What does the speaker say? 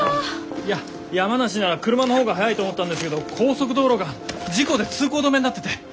いや山梨なら車の方が早いと思ったんですけど高速道路が事故で通行止めになってて。